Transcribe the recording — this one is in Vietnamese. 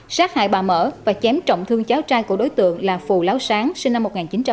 sát hại bà mở và chém trọng thương cháu trai của đối tượng là phù láo sáng sinh năm một nghìn chín trăm tám mươi